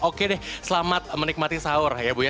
oke deh selamat menikmati sahur ya bu ya